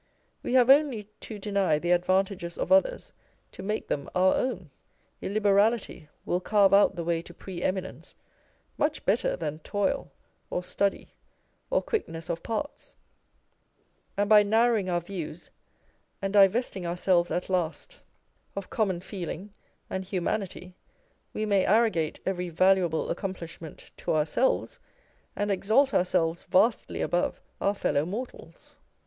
We have only to deny the advantages of others to make them our own : illiberality will carve out the way to pre eminence much better than toil or study or quickness of parts ; and by narrowing our views and divesting ourselves at last of common feeling and 222 On Egotism. humanity, we may arrogate every valuable accomplish ment to ourselves, and exalt ourselves vastly above our fellow mortals